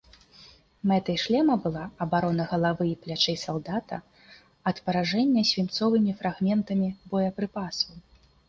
Мэтай шлема была абарона галавы і плячэй салдата ад паражэння свінцовымі фрагментамі боепрыпасаў.